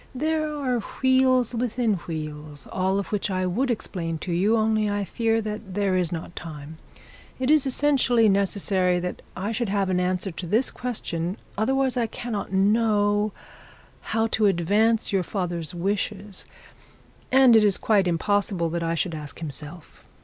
There are wheels within wheels, all of which I would explain to you, only I fear there is not time. It is essentially necessary that I should have an answer to this question, otherwise I cannot know how to advance your father's wishes; and it is quite impossible that I should ask himself.